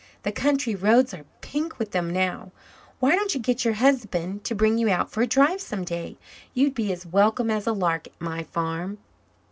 The country roads are pink with them now. Why don't you get your husband to bring you out for a drive some day? You'd be as welcome as a lark at my farm."